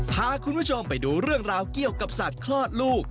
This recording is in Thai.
พาคุณผู้ชมไปดูเรื่องราวเกี่ยวกับสัตว์คลอดลูก